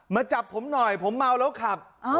มาจับผมหน่อยผมเมาแล้วขับ